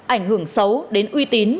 ảnh hưởng xấu đến uy tín